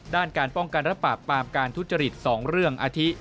ด้านการป้องกันและปราบปามการทุจริต๒เรื่องอาทิ